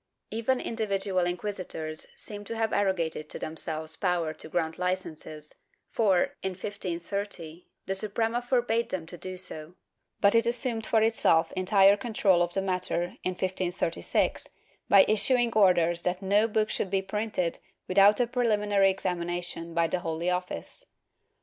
Even individual inquisitors seem to have arrogated to themselves power to grant licences for, in 1530, the Suprema forbade them to do so, but it assumed for itself entire control over the matter, in 1536, by issuing orders that no book should be printed without a preliminary examination by the Holy Office.